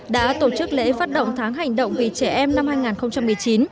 đã tổ chức lễ phát động tháng hành động vì trẻ em năm hai nghìn một mươi chín